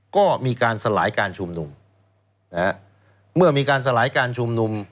ก็มีการสลายการชุมนุมนะฮะเมื่อมีการสลายการชุมนุม